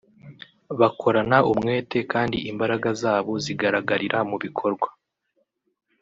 bakorana umwete kandi imbaraga zabo zigaragarira mu bikorwa